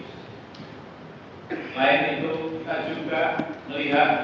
selain itu kita juga melihat